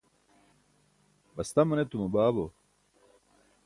astaman etuma baabo